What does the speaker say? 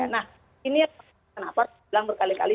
nah ini kenapa saya bilang berkali kali